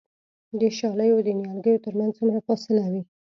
د شالیو د نیالګیو ترمنځ څومره فاصله وي؟